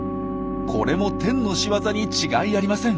これもテンのしわざに違いありません。